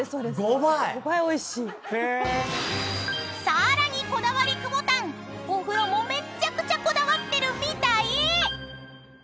［さらにこだわりくぼたんお風呂もめっちゃくちゃこだわってるみたい！］